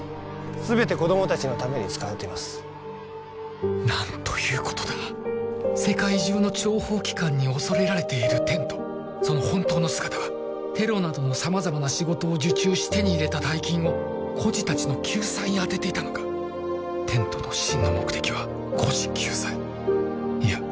全て子供達のために使われています何ということだ世界中の諜報機関に恐れられているテントその本当の姿はテロなどの様々な仕事を受注し手に入れた大金を孤児達の救済に充てていたのかテントの真の目的は孤児救済いや